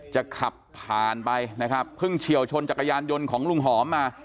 จะขับผ่านไปนะครับเพิ่งเฉียวชนจักรยานยนต์ของลุงหอมมา